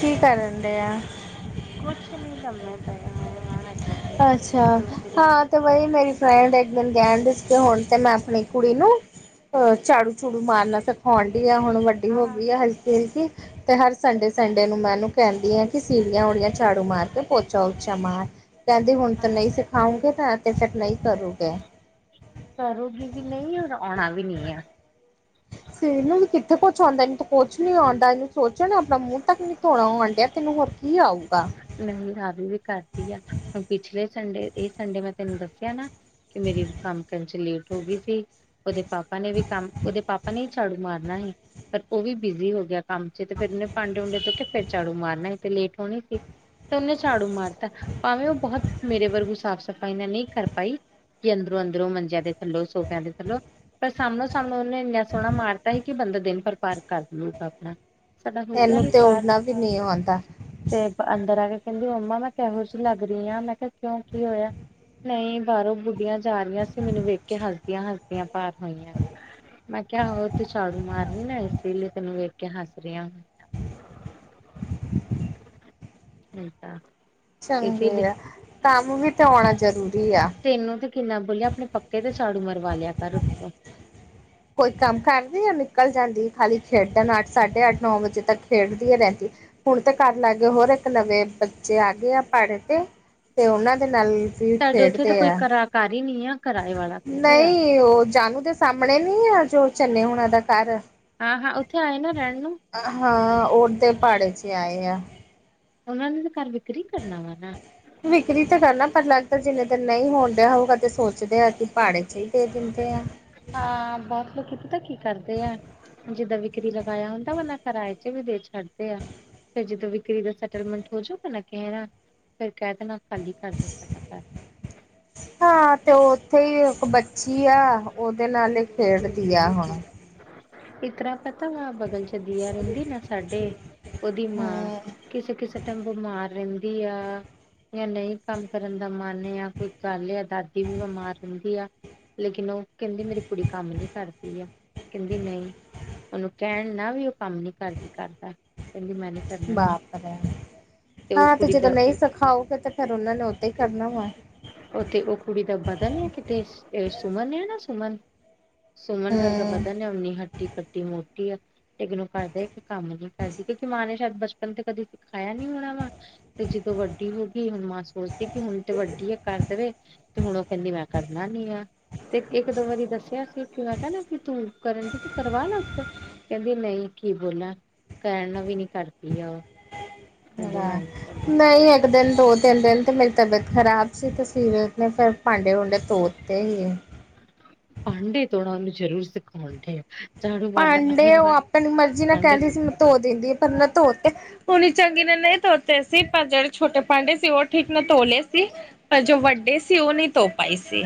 ਕੀ ਕਰਨ ਡੇ ਆ? ਕੁਛ ਨਹੀਂ ਲੰਮੇ ਪਏ ਹੋਏ ਆ ਹਜੇ ਤੇ ਅੱਛਾ ਸੋਚ ਰਹੀ ਹਾਂ ਤੇ ਵਹੀ ਮੇਰੀ ਫਰੈਂਡ ਇੱਕ ਦਿਨ ਕਹਿਣ ਡਈ ਸੀ ਹੁਣ ਤੇ ਮੈਂ ਆਪਣੀ ਕੁੜੀ ਨੂੰ ਅਹ ਝਾੜੂ ਝੂੜੂ ਮਾਰਨਾ ਸਕ [unintelligible] ਆ ਹੁਣ ਵੱਡੀ ਹੋ ਹਾਂ ਗਈ ਆ ਹਲਕੀ ਹਲਕੀ। ਤੇ ਹਰ ਸੰਡੇ ਸੰਡੇ ਨੂੰ ਮੈਨੂੰ ਕਹਿੰਦੀ ਆ ਕਿ ਸੀੜੀਆਂ ਉੜੀਆਂ ਝਾੜੂ ਮਾਰ ਕੇ ਪੋਚਾ ਪੂਚਾ ਮਾਰ ਕਹਿੰਦੀ ਹੁਣ ਤੇ ਹਾਂ ਨਹੀਂ ਸਿਖਾਉਂਗੇ ਤਾਂ ਤੇ ਫੇਰ ਨਹੀਂ ਕਰੂਗੇ। ਕਰੂਗੀ ਵੀ ਨਹੀਂ, ਔਰ ਆਉਣਾ ਵੀ ਨਹੀਂ ਆ। ਇਹਨੂੰ ਵੀ ਕਿੱਥੇ ਕੁਛ ਆਉਂਦਾ ਇਹਨੂੰ ਕੁਛ ਨੀ ਆਉਂਦਾ ਇਹਨੂੰ ਸੋਚਣ ਨਾ ਆਪਣਾ ਮੂੰਹ ਤੱਕ ਨੀ ਧੋਣਾ ਆਉਣ ਡਿਆ ਤੈਨੂੰ ਹੋਰ ਕੀ ਕੀ ਆਊਗਾ। ਮੈਂ ਯਾਦ ਵੀ ਕਰਦੀ ਆ ਹੁਣ ਪਿਛਲੇ ਸੰਡੇ ਇਹ ਸੰਡੇ ਮੈਂ ਤੈਨੂੰ ਦੱਸਿਆ ਨਾ। ਕਿ ਮੇਰੀ ਕੰਮ ਕਰਨ 'ਚ ਲੇਟ ਹੋ ਗਈ ਸੀ। ਉਹਦੇ ਪਾਪਾ ਨੇ ਵੀ ਕੰਮ ਉਹਦੇ ਪਾਪਾ ਨੇ ਵੀ ਝਾੜੂ ਮਾਰਨਾ ਹੀ। ਪਰ ਓ ਵੀ ਬਿਜੀ ਹੋ ਗਿਆ ਕੰਮ 'ਚ ਤੇ ਫਿਰ ਉਹਨੇ ਪਾਂਡੇ ਪੂੰਡੇ ਧੋ ਕੇ ਫੇਰ ਝਾੜੂ ਮਾਰਨਾ ਸੀ ਤੇ ਲੇਟ ਹੋਣੀ ਸੀ। ਤੇ ਉਹਨੇ ਝਾੜੂ ਮਾਰਤਾ ਭਾਵੇਂ ਓ ਬਹੁਤ ਮੇਰੇ ਵਰਗੂ ਸਾਫ਼ ਸਫ਼ਾਈ ਨਾਲ ਨਈ ਕਰ ਪਾਈ। ਕਿ ਅੰਦਰੋਂ-ਅੰਦਰੋਂ ਮੰਜਿਆਂ ਦੇ ਥੱਲੋਂ ਸੋਫਿਆਂ ਦੇ ਥੱਲੋਂ ਪਰ ਸਾਹਮਨੋ-ਸਾਹਮਨੋ ਉਹਨੇ ਇੰਨਾ ਸੋਹਣਾ ਮਾਰਤਾ ਸੀ ਕਿ ਬੰਦਾ ਦਿਨ ਭਰ ਪਾਰ ਕਰ ਲਊਗਾ ਆਪਣਾ ਸਾਡਾ ਹੋ ਗਿਆ ਇਹਨੂੰ ਸੀ ਤੇ ਪਾਰ ਓਹਨਾ ਵੀ ਨਹੀਂ ਆਉਂਦਾ। ਤੇ ਅੰਦਰ ਆ ਕੇ ਕੈਂਦੀ ਮੰਮਾ ਮੈਂ ਕਿਹੋ ਜਿਹੀ ਲੱਗ ਰਈ ਹਾਂ ਮੈਂ ਕਿਆ ਕਿਉਂ ਕੀ ਹੋਇਆ। ਨਈ ਬਾਹਰੋਂ ਬੁੱਢੀਆਂ ਜਾ ਰਹੀਆਂ ਸੀ ਮੈਨੂੰ ਵੇਖ ਕੇ ਹੱਸਦੀਆਂ-ਹੱਸਦੀਆਂ ਪਾਰ ਹੋਈਆਂ। ਮੈਂ ਕਿਆ ਹੋਰ ਤੂੰ ਝਾੜੂ ਮਾਰ ਰਈ ਹੈ ਨਾ ਇਸੇ ਲਈ ਤੈਨੂੰ ਵੇਖ ਕੇ ਹੱਸ ਰਈਆਂ। ਠੀਕ ਆ। ਚੰਗੇ ਆ ਕੰਮ ਵੀ ਤੇ ਆਉਣਾ ਜ਼ਰੂਰੀ ਆ। ਤੈਨੂੰ ਤੇ ਕਿੰਨਾ ਬੋਲਿਆ ਆਪਣੇ ਪੱਖੇ ਤੇ ਝਾੜੂ ਮਰਵਾ ਲਿਆ ਕਰ ਉਤੋਂ ਕੋਈ ਕੰਮ ਕਰਦੀ ਹੈ ਨਿਕਲ ਜਾਂਦੀ ਖਾਲੀ ਖੇਡਣ ਅੱਠ ਸਾਢੇ ਅੱਠ ਨੌ ਵਜੇ ਤੱਕ ਖੇਡਦੀ ਈ ਰੈਂਦੀ। ਹੁਣ ਤੇ ਘਰ ਲਾਗੇ ਹੋਰ ਇੱਕ ਨਵੇਂ ਬੱਚੇ ਆ ਗਏ ਆ ਪੜਦੇ ਤੋ ਤੇ ਉਹਨਾਂ ਦੇ ਨਾਲ ਫਿਰ ਖੇਡਦੇ ਆ। ਘਰ ਈ ਨੀ ਆ। ਕਿਰਾਏ ਵਾਲਾ ਕਿੱਥੇ ਆ ਨਈ ਓ ਜਾਣੂ ਦੇ ਸਾਹਮਣੇ ਨਈ ਆ ਜੋ ਚੰਨੇ ਹੋਣੇ ਦਾ ਘਰ ਹਾਂ-ਹਾਂ ਉੱਥੇ ਆਏ ਨਾ ਰਹਿਣ ਨੂੰ ਹਾਂ ਉਦੇ ਪਾੜੇ 'ਚ ਆਏ ਆ। ਉਹਨਾਂ ਨੇ ਤਾਂ ਘਰ ਵਿਕਰੀ ਕਰਨਾ ਵਾ ਨਾ। ਵਿਕਰੀ ਤਾਂ ਕਰਨਾ ਪਰ ਲੱਗਦਾ ਜਿੰਨੇ ਦਿਨ ਨਹੀਂ ਹੋਣ ਡਿਹਾ ਹੋਊਗਾ ਤੇ ਸੋਚਦੇ ਆ ਕਿ ਪਾੜੇ 'ਚ ਹੀ ਦੇ ਦਿੰਦੇ ਆ। ਹਾਂ ਬੋਤ ਲੋਕੀ ਪਤਾਂ ਕੀ ਕਰਦੇ ਆ ਜਿੱਦਾਂ ਵਿਕਰੀ ਲਗਾਇਆ ਹੁੰਦਾ ਵਰਨਾ ਕਿਰਾਏ ਤੇ ਵੀ ਦੇ ਛੱਡਦੇ ਆ। ਫਿਰ ਜਦੋਂ ਵਿਕਰੀ ਦਾ ਸੈਟਲਮੈਂਟ ਹੋ ਜਾਊਗਾ ਨਾ ਕੈਂਣਾ ਫਿਰ ਕਹਿ ਦੇਣਾ। ਖਾਲੀ ਕਰ ਦੋ ਸਾਡਾ ਹਾਂ ਤੇ ਓ ਉੱਥੇ ਇੱਕ ਬੱਚੀ ਆ ਉਹਦੇ ਨਾਲ ਹੀ ਖੇਡਦੀ ਆ ਹੁਣ ਇਸ ਤਰਾ ਪਤਾ ਵਾ ਬਗਲ 'ਚ ਦੀਆ ਰੈਂਦੀ ਨਾ ਸਾਡੇ ਉਹਦੀ ਮਾਂ ਹੂੰ ਕਿਸੇ-ਕਿਸੇ ਟੈਮ ਬਿਮਾਰ ਰੈਂਦੀ ਆ। ਨਈ ਕੰਮ ਕਰਨ ਦਾ ਮਨ ਆ ਜਾਂ ਕੋਈ ਗੱਲ ਆ ਦਾਦੀ ਵੀ ਬਿਮਾਰ ਰੈਂਦੀ ਆ। ਲੇਕਿਨ ਓ ਕੈਂਦੀ ਮੇਰੀ ਕੁੜੀ ਕੰਮ ਨਈ ਕਰਦੀ ਆ ਕੈਂਦੀ ਮੈਂ ਈ। ਉਹਨੂੰ ਕਹਿਣ ਨਾ ਵੀ ਓ ਕੰਮ ਨੀ ਕਰਦੀ ਘਰ ਦਾ ਕੈਂਦੀ ਮੈਂ ਨੀ ਕਰਨਾ ਬਾਪ ਰੇ ਉਹ ਹਾਂ ਤੇ ਕੁੜੀ ਜਦੋਂ ਦਾ ਨਹੀਂ ਸਿਖਾਓਗੇ ਤੇ ਫਿਰ ਉਹਨਾਂ ਨੇ ਉਦਾਂ ਹੀ ਕਰਨਾ ਵਾ। ਉਥੇ ਓ ਕੁੜੀ ਦਾ ਬਦਨ ਏ ਕਿਤੇ ਸੁਮਨ ਆ ਨਾ ਸੁਮਨ ਸੁਮਨ ਵਰਗਾ ਹੂੰ ਬਦਨ ਆ ਓਨੀ ਹੱਟੀ ਘੱਟੀ ਮੋਟੀ ਆ। ਇਗਨੋਰ ਕਰਦੇ ਇੱਕ ਕੰਮ ਨੀ ਕਰਦੀ ਕਿਉਂਕਿ ਮਾਂ ਨੇ ਸ਼ਾਇਦ ਬਚਪਨ ਤੇ ਕਦੇ ਸਿਖਾਇਆ ਨੀ ਹੋਣਾ ਵਾਂ। ਤੇ ਜਦੋਂ ਵੱਡੀ ਹੋ ਗਈ ਹੁਣ ਮਾਂ ਸੋਚਦੀ ਕਿ ਹੁਣ ਤੇ ਵੱਡੀ ਹੈ ਕਰ ਦੇਵੇ। ਤੇ ਹੁਣ ਉਹ ਕੈਂਦੀ ਮੈਂ ਕਰਨਾ ਨੀ ਆ ਤੇ ਇੱਕ ਦੋ ਵਾਰੀ ਦੱਸਿਆ ਸੀ। ਕਿਆ ਕਿ ਤੂੰ ਕਰਨਗੇ ਤੂੰ ਕਰਵਾ ਨਾ ਕੈਂਦੀ ਨਈ ਕੀ ਬੋਲਾਂ ਕੈਂਣ ਨਾਲ ਵੀ ਨੀ ਕਰਦੀ ਆ ਓ। ਕੈਂਦੀ ਮੈ ਨੀ ਨਈ ਇੱਕ ਦਿਨ ਦੋ ਤਿੰਨ ਦਿਨ ਤੇ ਮੇਰੀ ਤਬੀਅਤ ਖਰਾਬ ਸੀ ਤੇ ਸੀਰਤ ਨੇ ਫਿਰ ਪਾਂਡੇ ਪੁੰਡੇ ਤੋਤੇ ਈ ਏ। ਭਾਂਡੇ ਤੋਨਾ ਉਹਨੂੰ ਜਰੂਰ ਸਿਖਾਉਣ ਡਿਆ। ਝਾੜੂ ਮਾਰਨਾ ਭਾਂਡੇ ਐਵੇਂ ਓ ਨਾ ਆਪਣੀ ਮਰਜੀ ਨਾ ਭਾਂਡੇ ਕੈਂਦੀ ਸੀ ਮੈਂ ਸਿਖਾ ਦੋ। ਧੋ ਦਿੰਦੀ, ਪਰ ਓਨੇ ਧੋ ਤੇ। ਪੂਰੀ ਚੰਗੀ ਨਾਲ ਨਈ ਧੋਤੇ ਸੀ ਪਰ ਜੇੜੇ ਛੋਟੇ ਭਾਂਡੇ ਸੀ ਓ ਠੀਕ ਨਾਲ ਧੋਲੇ ਸੀ। ਜੋ ਵੱਡੇ ਸੀ ਓ ਨੀ ਧੋ ਪਾਈ ਸੀ।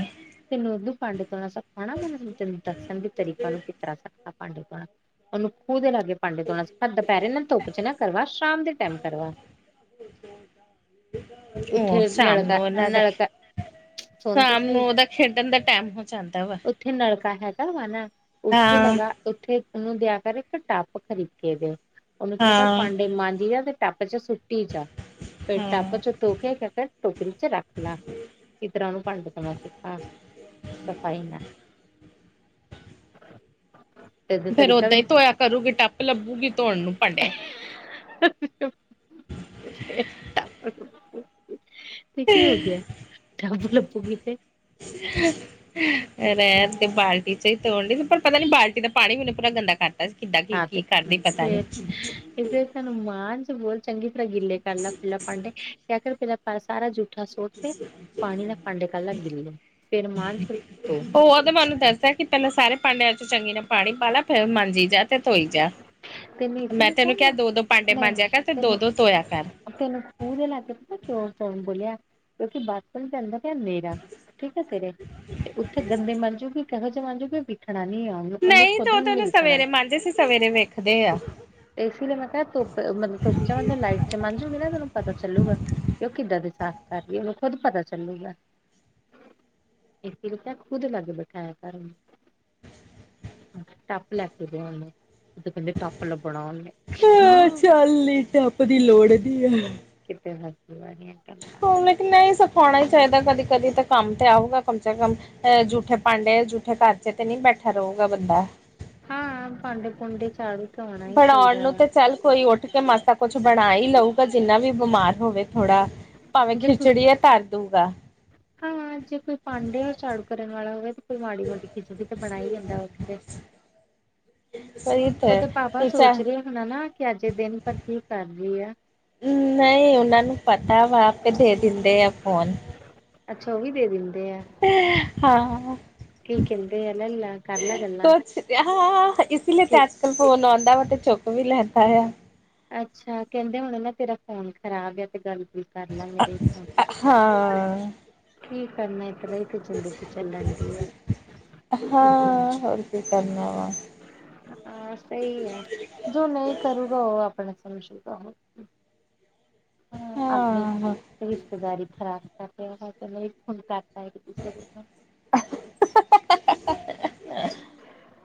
ਤੈਨੂੰ ਉਦ ਭਾਂਡੇ ਤੋਣਾ ਸਿਖਾਣਾ ਤੈਨੂੰ ਦੱਸਣ ਦੇ ਤਰੀਕਾ ਨੂੰ ਕਿਤਰ੍ਹਾਂ ਸਖਾਣਾ ਭਾਂਡੇ ਤੋਣਾ। ਓਨੂੰ ਕੂਦਨਾਗੇ ਭਾਂਦੇ ਧੋਣਾ ਸਿਖਾ ਦੁਪੈਰੇ ਨਾ ਧੁੱਪ ਚ ਨਾ ਕਰਵਾ ਸ਼ਾਮ ਦੇ ਟੈਮ ਕਰਵਾ। ਉੱਥੇ ਓ ਸ਼ਾਮ ਨਲਕਾ ਨੂੰ ਓਨਾਂ ਦਾ ਨਲਕਾ ਸੁਣ ਤੇ ਸ਼ਾਮ ਨੂੰ ਓਦਾ ਖੇਡਣ ਦਾ ਟੈਮ ਹੁੰ ਚਾਂਹਦਾ ਵਾ। ਓਥੇ ਨਲਕਾ ਹੈਗਾ ਵਾ ਨਾ, ਓਥੇ ਹਾਂ, ਲਗਾ ਓ ਓਥੇ ਓਨੂੰ ਦਿਆ ਕਰ ਇੱਕ ਟੱਪ ਖਰੀਦ ਕੇ, ਓਨੂੰ ਕਿਆ ਕਰ ਹਾਂ, ਪਾਂਡੇ ਮਾਂਜੀ ਜਾ ਤੇ ਟੱਪ ਚ ਸੁੱਟੀ ਜਾ, ਫੇਰ ਟੱਪ ਹਾਂ। ਚ ਧੋ ਕੇ ਤੇ ਟੋਕਰੀ ਚ ਰੱਖ ਲਾ, ਇਤਰਾਂ ਓਨੂੰ ਭਾਂਡੇ ਧੋਣਾ ਸਿ ਸਫਾਈ ਨਾ ਫੇਰ ਓਦਾਂ ਈ ਧੋਇਆ ਕਰੂਗੀ ਟੱਪ ਲੱਭੂਗੀ ਧੋਣ ਨੂੰ ਭਾਂਡੇ। [inaudible] ਏਹ ਕੀ ਹੋ ਗੇਆ, ਟੱਪ ਲੱਬੂਗੀ ਤੇ [inaudible] ਰੈਨ ਦੇ ਬਾਲਟੀ ਚ ਹੀ ਤੋਣ ਡਈ ਪਰ ਪਤਾ ਨੀ ਬਾਲਟੀ ਦਾ ਪਾਨੀ ਵੀ ਮੈਨੂੰ ਪੂਰਾ ਗੰਦਾ ਕਰਤਾ। ਕਿੱਦਾਂ ਹਾਂ ਕੀ-ਕੀ ਕਰਦੇ ਪਤਾ ਨੀ। ਫੇਰ ਤਾਨੂੰ ਮਾਂਜ ਚ ਬੋਲ ਚੰਗੀ ਤਰ੍ਹਾਂ ਗਿੱਲੇ ਕਰ ਲਾ ਪਹਿਲਾ ਪਾਂਡੇ ਕਿਆ ਕਰ ਪੈਲਾ ਸਾਰਾ ਜੂ ਪੁਠਾ ਸੁਟ ਕੇ ਪਾਣੀ ਨਾਲ ਪਾਂਡੇ ਕਰਲੈ ਗਿੱਲੇ, ਫੇਰ ਮਾਂਜ ਫੇਰ ਧੋ। ਓ ਓਦੇ ਮਨ ਨੂੰ ਦਸਦੈ ਕਿ ਪੈਲਾਂ ਸਾਰੇ ਭਾਂਡਿਆਂ ਚ ਚੰਗੀ ਨਾਲ ਪਾਣੀ ਪਾ ਲਾ ਫਿਰ ਮਾਂਜੀ ਜਾ ਤੇ ਧੋਈ ਜਾ। ਤੈਨੂੰ ਇਸੇ ਮੈਂ ਲਈ ਤੈਨੂੰ ਕਿਹਾ ਕਿਆ ਨਾ ਦੋ-ਦੋ ਪਾਂਡੇ ਨਹੀਂ ਮਾਂਜੇਆ ਕਰ ਤੇ ਤੈਨੂੰ ਦੋ-ਦੋ ਧੋਏਆ ਕਰ। ਤੈਨੂੰ ਖੂਹ ਦੇ ਲਾ ਕੇ ਪਤਾ ਚੋਣ ਚੋਣ ਬੋਲਿਆ ਕਿਉਂਕਿ ਬੱਸ ਨੂੰ ਜਾਂਦਾ ਪਿਆ ਨੇਰਾ। ਠੀਕ ਆ ਤੇਰੇ ਤੇ ਓਥੇ ਗੰਦੇ ਮਾਂਜੂਗੀ ਕਿਹੋ ਜਿਹੇ ਮਾਂਜੂਗੀ ਵਿਖਣਾ ਨਹੀਂ ਆ ਉਹਨੂੰ ਨਹੀਂ ਖੁਦ ਓ ਤੇ ਨੂੰ ਨੀ ਓਨੇ ਵਿਖਣਾ ਸਵੇਰੇ ਮਾਂਜੇ ਸੀ ਸਵੇਰੇ ਵੇਖਦੇ ਆ। ਤੇ ਇਸੇ ਲਈ ਮੈਂ ਕਿਹਾ ਧੁੱਪ ਚ ਮਤਲਬ ਲਾਈਟ ਚ ਮਾਂਜੂ ਵੀ ਨਾ ਤੈਨੂੰ ਪਤਾ ਚੱਲੂਗਾ। ਤੇ ਓ ਕਿੱਦਾਂ ਦੇ ਸਾਫ਼ ਕਰ ਰਈ ਐ ਓਨੂੰ ਖੁਦ ਪਤਾ ਚੱਲੂਗਾ। ਇੱਕ ਰਿਆ ਖੁੱਦ ਲੱਗ ਬਿਠਾਇਆ ਕਰ ਓਨੂੰ। ਟੱਪ ਲੈ ਕੇ ਦੇੇ ਓਨੂੰ ਉਤੋ ਕਹਿੰਦੇ ਟੱਪ ਲੱਭਣਾ ਨੀਂ ਹਾਂ ਚੱਲ ਈ ਟੱਪ ਦੀ ਲੋੜ ਨੀ ਐ। ਕਿੱਥੇ ਫਸਤੀ ਵਾਨੀ ਐ। ਹੁਨ ਲੇਕਿਨ ਨਈ ਸਿਖਾਉਣਾ ਈ ਚਾਈਦਾ ਕਦੀ-ਕਦੀ ਤਾਂ ਕੰਮ ਤੇ ਆਊਗਾ ਕਮ ਸੇ ਕਮ। ਐ ਜੂਠੇ ਪਾਂਡੇ ਜੂਠੇ ਖਰਚੇ ਤੇ ਨਈ ਬੈਠਾ ਰਹੂਗਾ ਬੰਦਾ। ਹਾਂ ਪਾਂਡੇ ਪੂੰਡੇ ਚਾਲੂ ਬਣਾਉਣ ਨੂੰ ਤੇ ਚੱਲ ਕੋਈ ਉੱਠ ਕੇ ਮਸ ਤਾਂ ਕੁਛ ਬਨਾ ਈ ਲਊਗਾ ਜਿੰਨਾ ਵੀ ਬਿਮਾਰ ਹੋਵੇ ਥੋੜਾ ਭਾਵੇਂ ਜੇ ਕੋਈ ਖਿਚੜੀ ਐ ਧਰਦੂਗਾ। ਹਾਂ ਜੇ ਕੋਈ ਪਾਂਡੇ ਹੋਰ ਝਾੜੂ ਕਰਨ ਵਾਲਾ ਹੋਵੇ ਕੋਈ ਮਾੜੀ ਮੋਟੀ ਚੀਜ਼ਾਂ ਵੀ ਤਾਂ ਬਨਾ ਈ ਲੈਂਦਾ ਉੱਠ ਕੇ। ਸਹੀ ਤੇ ਓਦੇ ਪਾਪਾ ਪੁੱਛਾ ਸੋਚ ਰਹੇ ਹੋਨੇ ਨਾ ਕਿ ਅੱਜ ਦਿਨ ਭਰ ਕੀ ਕਰ ਰਈ ਐ। ਨਹੀਂ ਮੈ ਨੂੰ ਪਤਾ ਵਾ ਆਪੇ ਦੇ ਦਿੰਦੇ ਆ ਫੋਨ। ਅੱਛਾ ਉਹ ਵੀ ਦੇ ਦਿੰਦੇ ਆ, ਹਾਂ ਕੀ ਕਹਿੰਦੇ ਆ ਲੈਲਾਂ ਕਰ ਲੈ ਗੱਲਾਂ। ਹ ਇਸ ਲਈ ਤੇ ਅੱਜ ਕੱਲ ਫੋਨ ਆਉਂਦਾ ਵਾ ਤੇ ਚੁੱਕ ਵੀ ਲੈਂਦਾ ਆ। ਅੱਛਾ ਕਹਿੰਦੇ ਹੁਣੇ ਨਾ ਤੇਰਾ ਫੋਨ ਖਰਾਬ ਆ, ਤੇ ਗੱਲ। ਕਰ ਲੈ ਮੇਰੇ ਹਾਂ। ਕੀ ਕਰਨਾ ਇਤਰਾਂ ਹੀ ਤੇ ਜ਼ਿੰਦਗੀ ਚੱਲਣ ਡੀ ਆ। ਹਾਂ, ਹੋਰ ਕੀ ਕਰਨਾ ਵਾ। ਹਾਂ ਸਹੀ ਹੈ, ਜੋ ਨਹੀਂ ਕਰੂਗਾ ਉਹ ਆਪ- ਆਪਣਾ ਸਮਝੂਗਾ ਹੋਰ ਕੀ, ਹੂੰ ਆਪਣੇ। ਹਾਂ ਰਿਸ਼ਤੇਦਾਰੀ ਖਰਾਬ ਕਰ ਰਿ ਹੋਰ ਤਾ ਇੱਕ ਫੋਨ ਕਰਤਾ ਕਿਸੇ ਵਲੋ।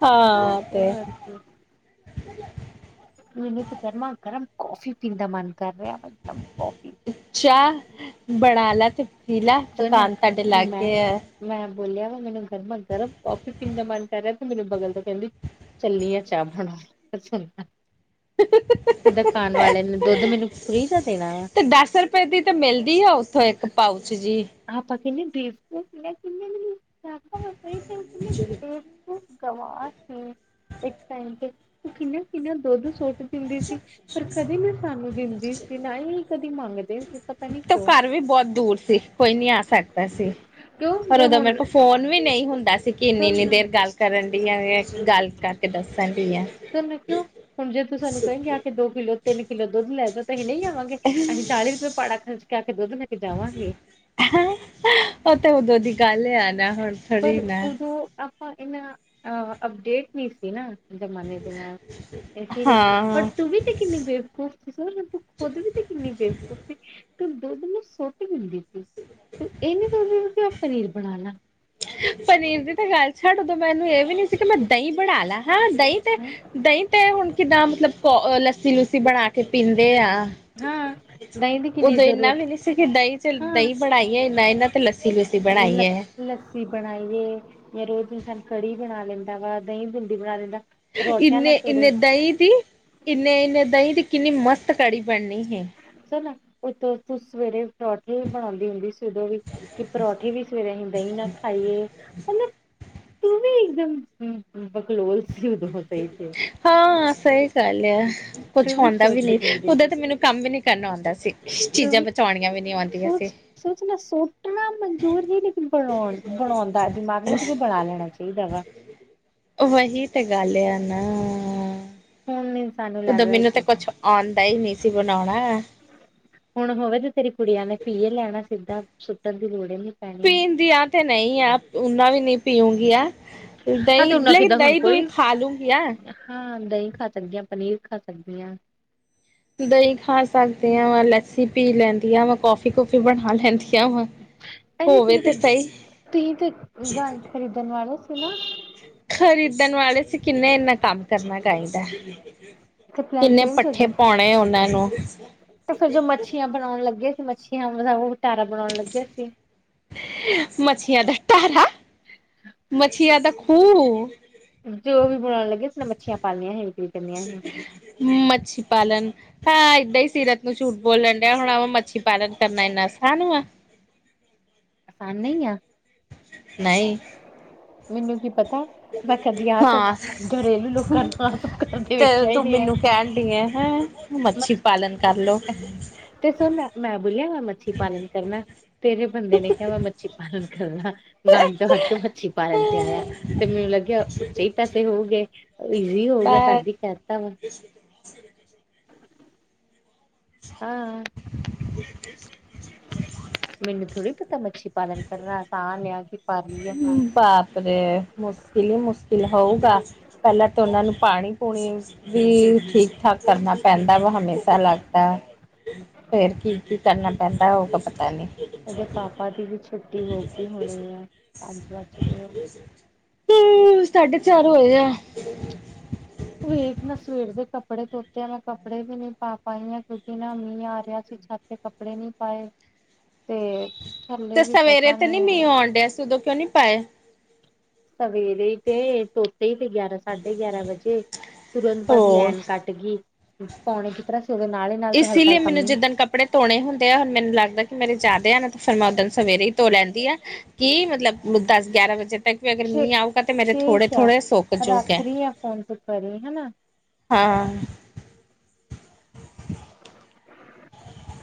ਹਾਂ, ਤੇ। ਹੂੰ। ਮੈਨੂੰ ਤਾਂ ਗਰਮਾ ਗਰਮ ਕਾਫੀ ਪੀਣ ਦਾ ਮਨ ਕਰ ਰਿਹਾ। ਵਾ ਇਕਦਮ ਕੌਫੀ ਅੱਛਾ। ਬਣਾ ਲਾ ਤੇ ਪੀਲਾ, ਸੁਣ ਦੁਕਾਨ ਤੁਹਾਡੇ ਮੈਂ ਲਾਗੇ ਆ। ਮੈਂ ਬੋਲਿਆ ਵਾ ਮੈਨੂੰ ਗਰਮਾ ਗਰਮ ਕਾਫੀ ਪੀਣ ਦਾ ਮਨ ਕਰ ਰਿਹਾ ਤੇ ਮੈਨੂੰ, ਅਗੋ ਬੋਲਕਰ ਕਹਿੰਦੀ। ਚੱਲੀ ਆ ਚਾਹ ਬਣਾਉਣ, ਬਸ ਹੁਣ ਮੈਂ। ਹ [unintelligible] ਤੇ ਦੁਕਾਨ ਵਾਲੇ ਨੇ ਦੁੱਧ ਮੈਨੂੰ ਫ੍ਰੀ ਦਾ ਦੇਣਾ ਵਾ। ਤੇ ਦਸ ਰ- ਰੁਪਏ ਦੀ ਤੇ ਮਿਲਦੀ ਆ, ਉੱਥੋਂ ਇੱਕ ਪਾਊਚ ਜੀ। ਆਪਾਂ ਕਿਹਨੇ ਬੇਵਕੂਫ ਨੇ, ਕਿਨੇ ਮੇਨੂੰ ਜਾਪਦਾ ਵਾ। ਚਲੋ। ਤੁ ਗਵਰ ਸੀ ਇੱਕ ਟਾਈਮ ਤੇ ਤੂੰ ਕਿੰਨਾ- ਕਿੰਨਾ ਦੁੱਧ ਸੁਟ- ਪਿੰਦੀ ਸੀ, ਪਰ ਕਦੇ ਨੀ ਸਾਨੂੰ ਦਿੰਦੀ ਸੀ, ਨਾ ਹੀ ਕਦੀ ਮੰਗਦੇ ਸੀ। ਪਤਾ ਨੀ ਤ ਕਿਉਂ ਘਰ ਵੀ ਬਹੁਤ ਦੂਰ ਸੀ, ਕੋਈ ਨੀ ਆ ਸਕਦਾ ਸੀ। ਕਿਉਂ ਪਰ ਜੇ ਉਦੋਂ ਮੇਰੇ ਹੁਣ ਕੋਲ ਫੋਨ ਵੀ ਨਹੀਂ ਹੁੰਦਾ ਸੀ ਕਿ ਇੰਨੀ- ਇੰਨੀ ਸੁਣ ਦੇਰ ਗੱਲ ਕਰਨ ਡੀਆ ਵੇ ਗੱਲ ਕਰ। ਅਤੇ ਦੱਸਣ ਡੀ ਆ। ਤੇ ਮੇ ਕੋਲੋਂ ਹੁਣ ਜੇ ਤੂੰ ਸਾਨੂੰ ਕਹਿੰਗੀ ਅ- ਦੋ ਕਿਲੋ, ਤਿੰਨ ਕਿੱਲੋ ਦੁੱਧ ਲੈ ਜਾਓੋ ਤੇ ਅਹੀ ਨਹੀਂ ਆਵਾਂਗੇ, ਅਸੀਂ ਚਾਲੀ ਰੁਪਏ ਪਾੜਾ ਖਰਚ ਕੇ ਆਕੇ ਦੁੱਧ ਲੇ- ਕੇ ਜਾਵਾਂਗੇ। ਉਹ ਤੇ ਉਦੋਂ ਦੀ ਗੱਲ ਹੈ, ਆਣਾ ਹੁਣ। ਪਰ ਥੋੜੀ ਨਾ ਉਦੋਂ ਆਪਾਂ ਇਨਾ, ਅ ਅਪਡੇਟ ਨਹੀਂ ਸੀ ਨਾ। ਜ਼ਮਾਨੇ ਦੇ ਨਾਲ ਇਸੀ ਲੀ, ਪਰ ਹਾਂ ਤੂੰਸੀ ਵੀ ਕਿੰਨੀੇ ਬੇਵਕੂਫ। ਤੂੰ ਖੁਦ ਵੀ ਤੇ ਕਿੰਨੀ ਬੇਵਕੂਫ਼ ਸੀ ਤੇ ਦੁੱਧ ਨੂੰ ਸੁੱਟ ਦਿੰਦੀ ਸੀ। ਤੇ ਇਹਨੇ ਦ ਪਨੀਰ ਬਣਾ ਲਾ। ਪਨੀਰ ਦੀ ਤਾਂ ਗੱਲ ਛੱਡ, ਉਦੋਂ ਮੈਨੂੰ ਇਹ ਵੀ ਨੀ ਸੀ ਕਿ ਮੈਂ ਦਹੀਂ ਬਣਾ ਲਾ ਹਾਂ। ਦਹੀਂ ਤੇ, ਦਹੀਂ ਤੇ ਹੁਣ ਕਿੱਦਾਂ ਮਤਲਬ ਕੋ ਲੱਸੀ- ਲੁੱਸੀ ਬਣਾ ਕੇ। ਪੀਂਦੇ ਆ, ਹਾਂ ਦਹੀਂ ਦੀ ਕਿੰਨੀ ਉਦੋਂ ਇੰਨਾ ਜ਼ਰੂਰਤ ਵੀ ਨੀ। ਕਿ ਦਹੀਂ ਚ ਦਹੀਂ ਬਣਾਈਏ ਮਿਹਨਤ ਤੇ ਲੱਸੀ ਵੇ। ਇਲਾ। ਲੱਸੀ ਬਣਾਈਏ, ਜਾਂ ਰੋਜ਼ ਇਨਸਾਨ ਕੜੀ ਬਣਾ ਲੈਂਦਾ ਵਾ, ਦਹੀਂ ਬਿੰਡੀ ਬਣਾ ਲੈਂਦਾ। ਪਰੌਠਿਆਂ ਨਾਲ ਇੰਨੇ- ਸਵੇਰੇ ਇੰਨੇ ਦਹੀਂ ਦੀ ਇੰਨੇ- ਇੰਨੇ ਦਹੀਂ ਦੀ ਕਿੰਨੀ ਮਸਤ ਕੜੀ ਬਣਨੀ ਸੀ। ਸੁ ਨਾ ਉਥੋਂ ਤੂੰ ਸਵੇਰੇ ਪਰੌਠੇ ਬਣਾਉਂਦੀ ਹੁੰਦੀ ਸੀ। ਜਦੋਂ ਵੀ ਕਿ ਪਰੌਠੀ ਵੀ ਸਵੇਰੇ ਅਸੀਂ ਦਹੀਂ ਨਾ ਖਾਈਏ, ਮਤਲਬ। ਤੂੰ ਵੀ ਇੱਕਦਮ ਬਕਲੋਲ ਸੀ ਉਦ ਹੋ ਸਹੀ ਤੇ ਹਾਂ ਸਹੀ ਗੱਲ ਹੈ ਕੁਛ ਹਉਂਦਾ ਵੀ ਨਹੀ, ਉਦੋਂ ਤਾਂ ਮੈਨੂੰ ਕੰਮ ਵੀ ਨੀ ਕਰਨਾ ਆਉਂਦਾ ਸੀ ਚੀਜ਼ਾਂ ਬਚਾਉਣੀਆਂ ਵੀ ਨੀ ਆਉਂਦੀਆਂ ਸੀ ਸੋਚਣਾ ਸੁਟਣਾ ਮਨਜੂਰ ਹੀ ਲੇਕਿਨ ਬਣਾਉਣ ਬਣਾਉਣ ਦਾ, ਦਿਮਾਗ ਨਹੀਂ ਸੀ ਕਿ ਬਣਾ ਲੈਣਾ ਚਾਹੀਦਾ ਵਾ ਵਹੀ ਤੇ ਗੱਲ ਆ ਨਾ, ਹੁਣ ਸਾਨੂੰ ਉਦੋਂ ਲੱਗਦਾ ਮੈਨੂੰ ਤੇ ਕਿ ਕੁਛ ਆਉਂਦਾ ਹੀ ਨਹੀ ਸੀ ਬਣਾਉਣਾ ਹੁਣ ਹੋਵੇ ਤੇ ਤੇਰੀ ਕੁੜੀਆਂ ਨੇ ਪੀਏ ਲੈਣਾ ਸਿੱਧਾ ਸੁੱਟਣ ਦੀ ਲੋੜ ਈ ਨੀ ਪੈਣੀ ਪੀਂਦੀਆਂ ਤੇ ਨਹੀਂ ਆ, ਉਹਨਾ ਵੀ ਨਹੀਂ ਪੀਊਂਗੀ ਐ ਹਾਂ ਤੇ ਦਹੀਂ ਉਹਨਾਂ ਲੇਕ ਕਿੱਦਾਂ ਹੁਣ ਦਹੀਂ ਦੂੰਹੀਂ ਕੋਈ ਖਾ ਲੂੰਗੀ ਆ ਹਾਂ ਦਹੀਂ ਖਾ ਸਕਦੀ ਹਾਂ ਪਨੀਰ ਖਾ ਸਕਦੀ ਹਾਂ ਦਹੀਂ ਖਾ ਸਕਦੇ ਹਾਂ ਮੈਂ ਲੱਸੀ ਪੀ ਲੈਂਦੀ ਆਂ ਮੈਂ ਕੌਫੀ ਕਫੀ ਬਣਾ ਲੈਂਦੀ ਕਿਯਾ ਹੁਣ ਅਰੇ ਹੋਵੇ ਤੁਸੀਂ ਤੇ ਸਹੀ ਤੁਸੀਂ ਤੇ ਗੱਲ ਖਰੀਦਣ ਵਾਲਾ ਸੁਣਾ ਖ਼ਰੀਦਣ ਵਾਲੇ ਸੀ ਕਿੰਨੇ ਇੰਨਾ ਕੰਮ ਕਰਨਾ ਚਾਹੀਦਾ ਤੇ ਪਲੈਨ ਕਿੰਨੇ ਚੇਂਜ ਹੋ ਪੱਠੇ ਗਿਆ ਪਾਉਣੇ ਉਹਨਾਂ ਨੂੰ ਤੇ ਫਿਰ ਜੋ ਮੱਛੀਆਂ ਬਣਾਉਣ ਲੱਗੀਆਂ ਸੀ ਮੱਛੀਆਂ ਦਾ ਉਹ ਵਟਾਰਾ ਬਣਾਉਣ ਲੱਗਿਆ ਸੀ ਮਛੀਆਂ ਦਾ ਟਾਰਾ, ਮਛੀਆਂ ਦਾ ਖੂ ਜੋ ਵੀ ਬਣਾਉਣ ਲੱਗੇ ਮੱਛੀਆਂ ਪਾਲੀਆਂ ਹੀ ਵਿਕਰੀ ਕਰਨੀਆਂ ਹੀ ਮੱਛੀ ਪਾਲਨ ਹਾਂ ਏਦਾਂ ਹੀ ਸੀਰਤ ਨੂੰ ਝੂਠ ਬੋਲ ਲੈਣ ਡਿਆ, ਹੁਣ ਮੱਛੀ ਪਾਲਣ ਕਰਨਾ ਇੰਨਾ ਅਸਾਨ ਹੂਆ ਖਾਨੇ ਈ ਆਂ ਨਹੀਂ ਮੈਨੂੰ ਕੀ ਪਤਾ ਮੈਂ ਕਦੀ ਆਹ ਸਭ ਹਾਂ ਘਰੇਲੂ ਲੋਕਾਂ ਨੂੰ ਆਹ ਸਬ ਕਰਦੇ ਤੇ ਵੇਖਿਆ ਹੀ ਤੂੰ ਨਹੀਂ ਆ ਮੈਨੂੰ ਕਹਿਣ ਡਏ ਹੈ, ਮੱਛੀ ਪਾਲਣ ਕਰ ਲੋ ਤੇ ਸਰ ਮੈਂ ਮੈਂ ਬੋਲਿਆ ਮੈਂ ਮੱਛੀ ਪਾਲਣ ਕਰਨਾ ਤੇਰੇ ਬੰਦੇ ਨੇ ਕਿਹਾ, ਮੈਂ ਮੱਛੀ ਪਾਲਣ ਕਰਨਾ ਗਾਯ ਤੋਂ ਹਟ ਕੇ ਮੱਛੀ ਪਾਲਣ ਤੇ ਆਇਆ ਤੇ ਮੈਨੂੰ ਲੱਗਿਆ ਉੱਚੇ ਹੀ ਪੈਸੇ ਹੋਊਗੇ ਈਜ਼ੀ ਹੋਊਗਾ ਪਰ ਤਾਂਦੀ ਹੀ ਕਹਿ ਦਿੱਤਾ ਵਾ ਹਾਂ [unintelligible] ਮੈਨੂੰ ਥੋੜੀ ਪਤਾ ਮੱਛੀ ਪਾਲਣ ਕਰਨਾ ਅਸਾਨ ਐ ਕਿ ਪਾਰਲੀ ਬਾਪਰੇ ਮੁਸ਼ਕਿਲ ਹੀ ਮੁਸ਼ਕਿਲ ਹੋਊਗਾ ਪਹਿਲਾਂ ਤਾਂ ਉਹਨਾਂ ਨੂੰ ਪਾਣੀ ਪੂਣੀ ਵੀ ਠੀਕ ਠਾਕ ਕਰਨਾ ਪੈਂਦਾ ਵਾ ਹਮੇਸ਼ਾ ਲੱਗਦਾ ਫੇਰ ਕੀ ਕੀ ਕਰਨਾ ਪੈਂਦਾ ਉਹ ਤਾਂ ਪਤਾ ਨੀ ਇਹਦੇ ਪਾਪਾ ਦੀ ਵੀ ਛੁੱਟੀ ਹੋ ਗਈ ਹੋਣੀ ਆ ਪੰਜ ਵੱਜ ਗਏ ਐ ਹੂ ਸਾਢੇ ਚਾਰ ਹੋਯੇ ਐ ਸਵੇਰ ਮੈਂ ਸਵੇਰ ਦੇ ਕੱਪੜੇ ਧੋਤੇ ਆ ਮੈਂ ਕੱਪੜੇ ਵੀ ਨਹੀਂ ਪਾ ਪਾਈ ਆ ਕਿਉਂਕਿ ਨਾ ਮੀਂਹ ਆ ਰਿਹਾ ਸੀ ਛੱਤ ਤੇ ਕੱਪੜੇ ਨੀ ਪਾਏ ਤੇ ਥੱਲੇ ਤੇ ਵੀ ਸਵੇਰੇ ਜਗ੍ਹਾ ਤੇ ਨੀ ਨਹੀਂ ਹੈ। ਮੀਂਹ ਆਉਣ ਡਿਆ ਸੀ, ਉਦੋਂ ਕਿਉਂ ਨੀ ਪਾਏ ਸਵੇਰੇ ਤੇ ਧੋਤੇ ਹੀ ਤੇ ਗਿਆਰਾਂ ਸਾਢੇ ਗਿਆਰਾਂ ਵਜੇ ਤੁਰੰਤ ਬਾਦ ਹੋਰ ਲੈਣ ਕੱਟ ਗਈ ਪਾਉਣੇ ਕਿਸ ਤਰ੍ਹਾਂ ਸੀ ਉਹਦੇ ਨਾਲ ਹੀ ਨਾਲ ਤੇ ਇਸ ਹਲਕਾ ਲਈ ਹਲਕਾ ਮੈਨੂੰ ਮੀਂਹ ਜਿੱਦਣ ਕੱਪੜ ਧੋਣੇ ਹੁੰਦੇ ਆ, ਹੁਣ ਮੈਨੂੰ ਲੱਗਦਾ ਕਿ, ਮੇਰੇ ਜ਼ਿਆਦੇ ਆ। ਨਾ ਫਿਰ ਮੈਂ ਓਦਣ ਸਵੇਰੇ ਹੀ ਧੋ ਲੈਂਦੀ ਆਂ। ਕਿ, ਮਤਲਬ ਦਸ--ਗਿਆਰਾਂ ਵਜੇ ਤੱਕ ਵੀ ਅਗਰ ਠੀ ਮੀਹ ਆਉਗਾ ਤੇ, ਮੇਰੇ ਥੋੜੇ ਠੀਕ ਹੈ ਥੋੜੇ ਸੁੱਕ ਰੱਖ ਜੁਗੇ ਹੈ। ਰਹੀ ਆ ਫੋਨ ਤੂੰ ਕਰੀਂ ਹਨਾ। ਹਾਂ। [inaudible]